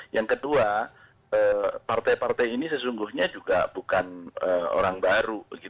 yang kedua partai partai ini sesungguhnya juga bukan orang baru